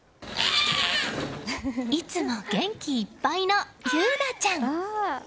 いつも元気いっぱいの夕凪ちゃん。